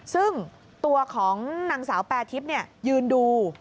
ซึ่งตัวของนางสาวแปรทิพย์ยืนดู